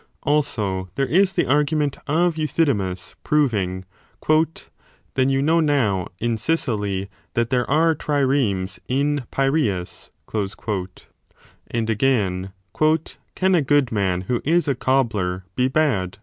Also there is the argument of Euthydemus proving Then you know now in Sicily that there are triremes in Piraeus : 2 and again, Can a good man who is a cobbler be bad